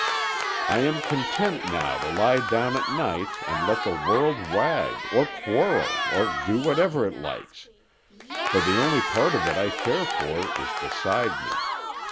I am content now to lie down at night, and let the world wag, or quarrel, or do whatever it likes, for the only part of it I care for is beside me.